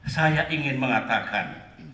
saya ingin mengatakan